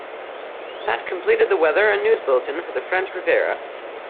That completed the weather and news bulletin for the French Riviera.